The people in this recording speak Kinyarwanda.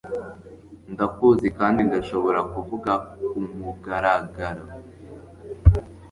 Ndakuzi kandi ndashobora kuvuga ku mugaragar